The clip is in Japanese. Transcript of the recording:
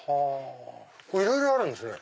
これいろいろあるんですね。